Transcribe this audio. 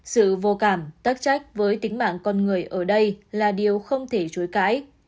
sự vô cảm tác trách với tính mạng con người ở đây là điều không thể chối cãi